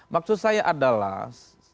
maksud saya adalah